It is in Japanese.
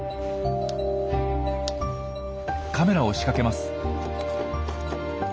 カメラを仕掛けます。